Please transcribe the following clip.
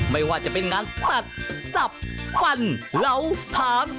ไม่ว่าจะเป็นงานตัดสับฟันเหลาถาง